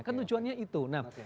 kan tujuannya itu